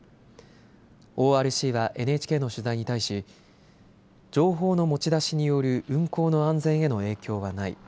ＯＲＣはＮＨＫの取材に対し情報の持ち出しによる運航の安全への影響はない。